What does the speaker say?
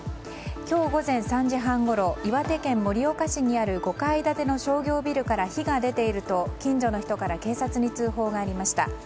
今日午前３時半ごろ岩手県盛岡市にある５階建ての商業ビルから火が出ていると近所の人から警察に通報がありました。